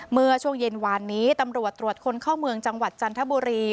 เมื่อช่วงเย็นวานนี้ตำรวจตรวจคนเข้าเมืองจังหวัดจันทบุรี